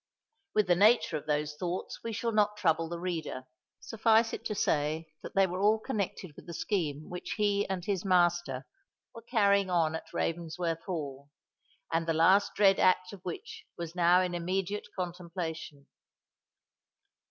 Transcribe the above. With the nature of those thoughts we shall not trouble the reader: suffice it to say that they were all connected with the scheme which he and his master were carrying on at Ravensworth Hall, and the last dread act of which was now in immediate contemplation.